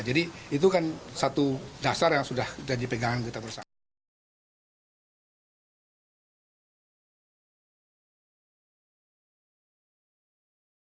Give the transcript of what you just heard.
jadi itu kan satu dasar yang sudah kita dipegangkan bersama